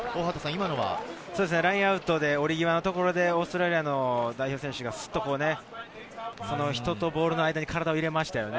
ラインアウトで、下り際のところでオーストラリアの代表選手がスッと人とボールの間に体を入れましたよね。